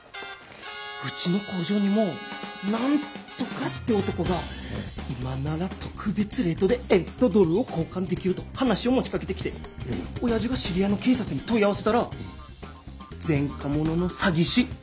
うちの工場にもナントカって男が今なら特別レートで円とドルを交換できると話を持ちかけてきて親父が知り合いの警察に問い合わせたら前科者の詐欺師。